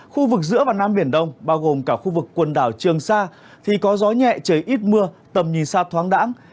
khu vực giữa và nam biển đông bao gồm cả khu vực quần đảo trường sa thì có gió nhẹ trời ít mưa tầm nhìn xa thoáng đẳng